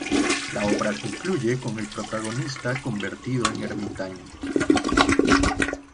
La obra concluye con el protagonista convertido en ermitaño.